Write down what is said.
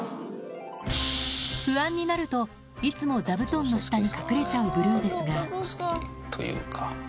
不安になると、いつも座布団の下に隠れちゃうブルーですが。